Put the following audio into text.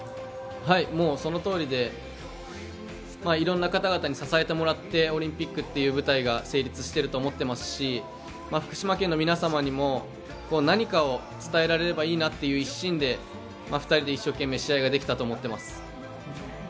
そのとおりでいろんな方々に支えてもらってオリンピックという舞台が成立していると思っていますし福島県の皆様にも何かを伝えられればいいなという一心で２人で一生懸命試合ができたと思っています。